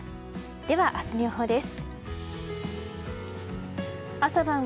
では明日の予報です。